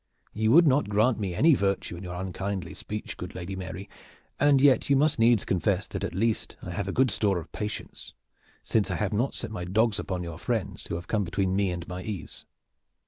You would not grant me any virtue in your unkindly speech, good Lady Mary, and yet you must needs confess that at least I have good store of patience, since I have not set my dogs upon your friends who have come between me and my ease.